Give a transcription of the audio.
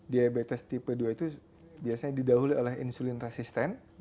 diabetes tipe dua itu biasanya didahului oleh insulin resisten